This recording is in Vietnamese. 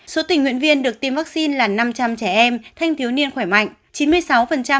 số tình nguyện viên được tiêm vắc xin là năm trăm linh trẻ em thanh thiếu niên khỏe mạnh